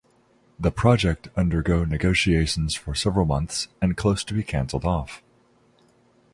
The project undergo negotiations for several months and close to be cancelled off.